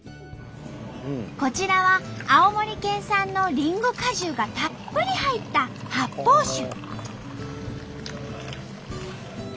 こちらは青森県産のりんご果汁がたっぷり入った発泡酒。